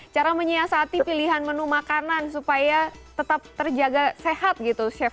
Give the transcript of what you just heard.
cara menyiasati pilihan menu makanan supaya tetap terjaga sehat gitu chef